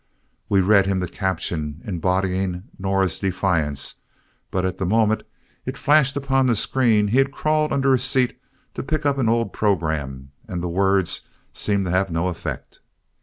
We read him the caption embodying Nora's defiance, but at the moment it flashed upon the screen he had crawled under his seat to pick up an old program and the words seemed to have no effect.